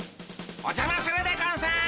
・おじゃまするでゴンス！